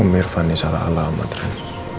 om irvan ini salah ala amat ren